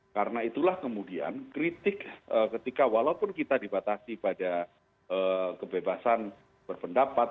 karena itulah kemudian kritik ketika walaupun kita dibatasi pada kebebasan berpendapat